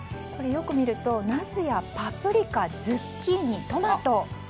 よく見るとナスやパプリカズッキーニ、トマト。